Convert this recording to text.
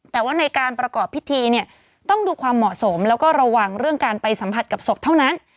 แต่ว่าในการประกอบพิธีเนี่ยต้องดูความเหมาะสมแล้วก็ระวังเรื่องการไปสัมผัสกับศพเท่านั้น